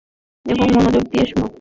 এবং মনোযোগ দিয়ে শুনো।